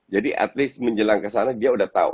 jadi at least menjelang kesana dia udah tahu